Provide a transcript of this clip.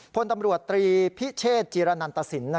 พตรตรีพิเชษจีระนัตรสิน